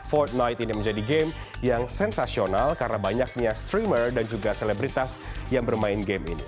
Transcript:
fort night ini menjadi game yang sensasional karena banyaknya streamer dan juga selebritas yang bermain game ini